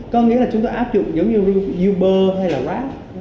có nghĩa là chúng tôi áp dụng giống như uber hay là grab